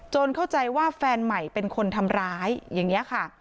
เข้าใจว่าแฟนใหม่เป็นคนทำร้ายอย่างนี้ค่ะ